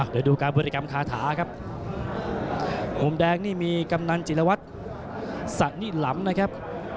เดี๋ยวดูการบริกรรมคาถาครับมุมแดงนี่มีกำนันจิลวัตรสะนี่หลำนะครับ